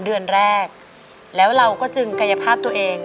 เดือนแรกแล้วเราก็จึงกายภาพตัวเอง